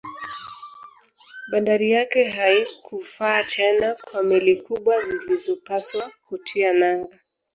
Bandari yake haikufaa tena kwa meli kubwa zilizopaswa kutia nanga